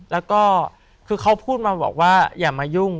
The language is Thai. แล้วก็คือเขาพูดมาบอกว่าอย่ามายุ่ง